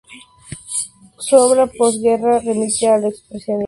Su obra de posguerra remite al expresionismo racionalista de Erich Mendelsohn.